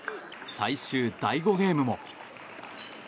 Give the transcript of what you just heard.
最終第５ゲームも。